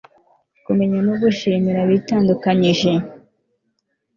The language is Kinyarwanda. kumenya no gushimira abitandukanyije